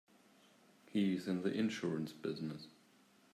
He's in the insurance business.